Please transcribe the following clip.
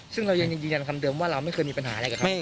ซึ่งเรายังยืนยันคำเดิมว่าเราไม่เคยมีปัญหาอะไรกับเขา